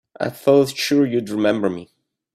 I thought sure you'd remember me.